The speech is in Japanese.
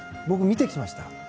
僕、見てきました。